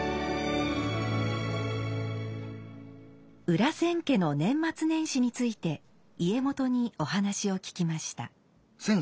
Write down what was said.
裏千家の年末年始について家元にお話を聞きました。